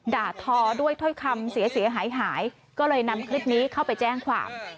ด่าทอด้วยถ้อยคำเสียหายหายก็เลยนำคลิปนี้เข้าไปแจ้งความ